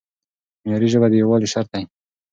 معیاري ژبه د یووالي شرط دی.